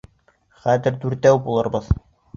Хәҙер дүртәү булырбыҙ.